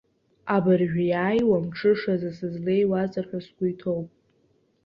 Абыржәы иааиуа амҽышазы сызлеиуазар ҳәа сгәы иҭоуп.